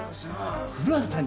古畑さん